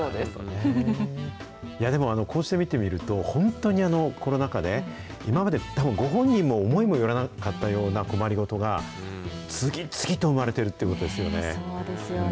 でも、こうして見てみると、本当にコロナ禍で、今まで、たぶんご本人も思いもよらなかったような困り事が、次々と生まれてるということですよね。